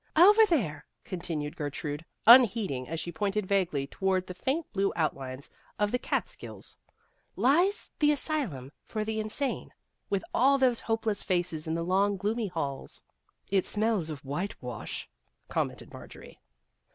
" Over there," continued Gertrude, un heeding, as she pointed vaguely toward the faint blue outlines of the Kaatskills, "lies the Asylum for the Insane, with all those hopeless faces in the long gloomy halls." " It smells of whitewash," commented Marjorie.